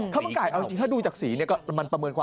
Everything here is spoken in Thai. เค้ากาวใจอาจจะกลับมาดูจากสีเสียใจอร่อยด้ายครับ